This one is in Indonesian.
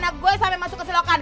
anak gue sampe masuk ke silokan